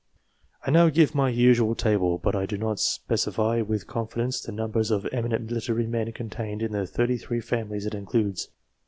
I now give my usual table, but I do not specify with confidence the numbers of eminent literary people con tained in the thirty three families it includes.